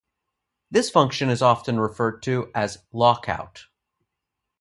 This function is often referred to as "lockout".